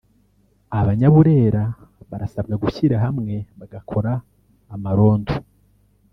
Abanyaburera barasabwa gushyira hamwe bagakora amarondo